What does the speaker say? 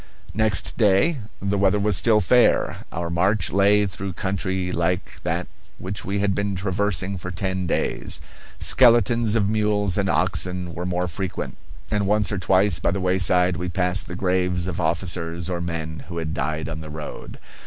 Next day the weather was still fair. Our march lay through country like that which we had been traversing for ten days. Skeletons of mules and oxen were more frequent; and once or twice by the wayside we passed the graves of officers or men who had died on the road.